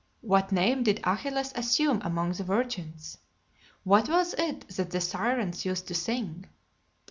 What name did Achilles assume among the virgins? What was it that the Sirens used to sing?"